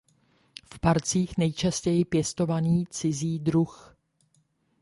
V parcích nejčastěji pěstovaný cizí druh.